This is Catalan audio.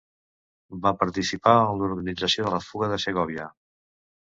Va participar en l'organització de la fuga de Segòvia.